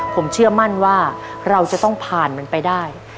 ผมเชื่อมั่นว่าเราจะต้องผ่านมันไปได้